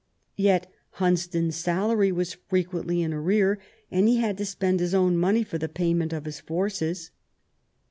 Yet Hunsdon's salary was frequently in arrear, and he had to spend his own money for the payment of his forces.